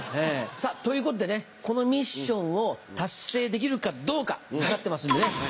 さぁということでねこのミッションを達成できるかどうかに懸かってますんでね